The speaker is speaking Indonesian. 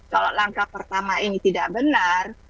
kalau langkah pertama ini tidak benar